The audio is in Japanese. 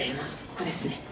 ここですね。